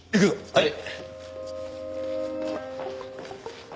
はい！